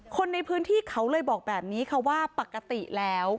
คนในพื้นที่เขาเลยบอกแบบนี้ค่ะว่าปกติแล้ว